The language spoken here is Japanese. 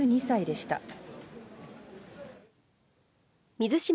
８２歳でした。